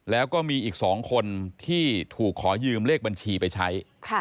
แล้วก็มีอีก๒คนที่ถูกขอยืมเลขบัญชีไปใช้